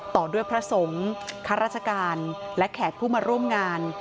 ต่อด้วยพระสงฆ์ข้าราชการและแขกผู้มาร่วมงาน